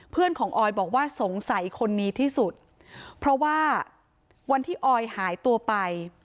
เพื่อนของออยบอกว่าสงสัยคนนี้ที่สุดเพราะว่าวันที่ออยหายตัวไป